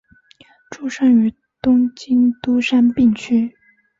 出身于东京都杉并区。